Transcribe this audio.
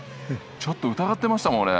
ちょっと疑ってましたもん俺。